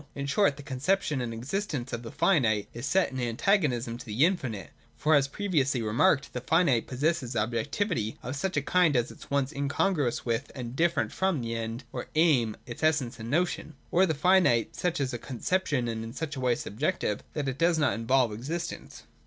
In short, the conception and existence of the finite is set in antagonism to the infinite ; for, as pre viously remarked, the finite possesses objectivity of such a kind as is at once incongruous with and different from the end or aim, its essence and notion. Or, the finite is such a conception and in such a way subjective, that it does not involve existence.